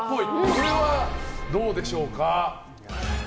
これはどうでしょうか？